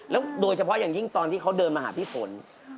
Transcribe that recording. โดยเฉพาะอย่างยิ่งตอนที่เขาเดินมาหาพี่ฝน